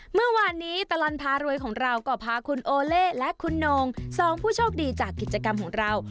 เมื่อวานนี้ตลอดพารวยของเราก็พาคุณโอเล่และคุณโน่งสองผู้โชคดีจากกิจกรรมของเรา